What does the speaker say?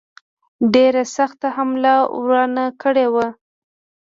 ډېره سخته حمله روانه کړې وه.